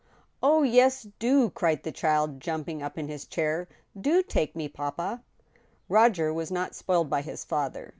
" Oh, yes— do !" cried the child, jumping up in his chair —" do take me, papa," Roger was not spoiled by his father.